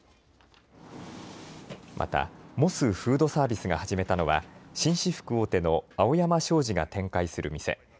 また、モスフードサービスが始めたのは紳士服大手の青山商事が展開する店。